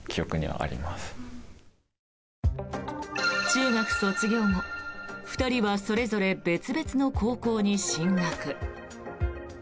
中学卒業後、２人はそれぞれ別々の高校へ進学。